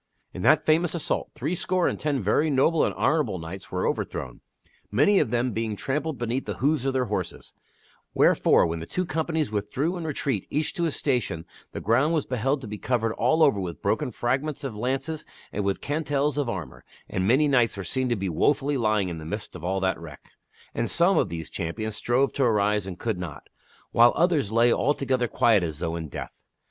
In that famous assault threescore and ten very noble and honorable knights were overthrown, many of them being trampled beneath the hoofs of the horses ; wherefore, when the two companies withdrew in retreat each to his station the ground was beheld to be covered all over with broken fragments of lances and with cantels of armor, and many knights were seen to be wofully lying in the midst of all that wreck. And some of these champions strove to arise and could not, while others lay alto gether quiet as though in death.